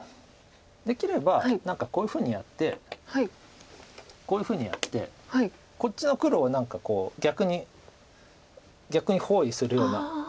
できれば何かこういうふうにやってこういうふうにやってこっちの黒を何か逆に包囲するような。